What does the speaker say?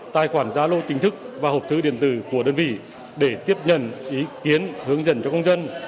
tài khoản gia lô chính thức và hộp thư điện tử của đơn vị để tiếp nhận ý kiến hướng dẫn cho công dân